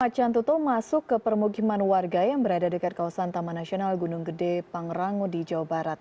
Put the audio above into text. macan tutul masuk ke permukiman warga yang berada dekat kawasan taman nasional gunung gede pangrango di jawa barat